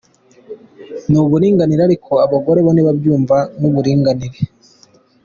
Ni uburinganire ariko abagore bo ntibabwumva nk’uburinganire.